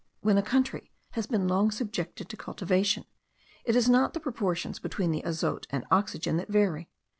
When a country has been long subjected to cultivation, it is not the proportions between the azote and oxygen that vary.